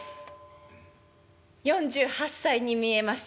「４８歳に見えます」。